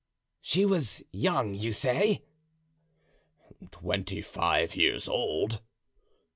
"She was young, you say?" "Twenty five years old."